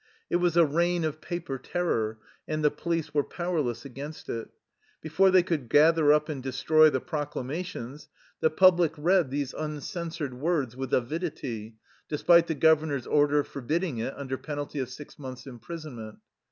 It was a reign of paper terror, and the police were powerless against it. Be fore they could gather up and destroy the proc lamations, the public read these uncensored 44 THE LIFE STOEY OF A KUSSIAN EXILE words with, avidity, despite the governor's order forbidding it under penalty of six months' im prisonment.